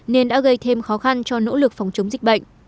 nên đã gây thêm khó khăn cho nỗ lực phòng chống dịch bệnh